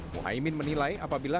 muhaimin menilai apabila